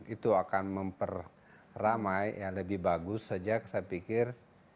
itu akan memperramai yang lebih bagus sejak saya pikir